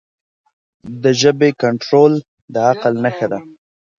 د ژبې کنټرول د عقل نښه ده.